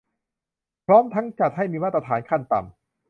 พร้อมทั้งจัดให้มีมาตรฐานขั้นต่ำ